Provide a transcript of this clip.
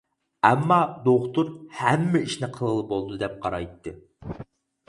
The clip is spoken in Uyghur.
ئەمما، دوختۇر ھەممە ئىشنى قىلغىلى بولىدۇ دەپ قارايتتى.